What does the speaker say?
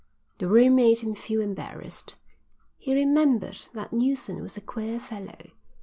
The room made him feel embarrassed. He remembered that Neilson was a queer fellow.